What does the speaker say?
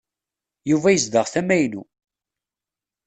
Yuba yezdeɣ tama-inu.